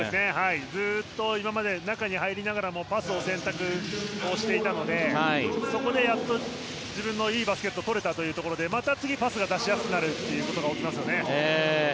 ずっと今まで中に入りながらもパスを選択していたのでそこでやっと自分のいいバスケットをとれたということでまた、次パスが出しやすくなりますね。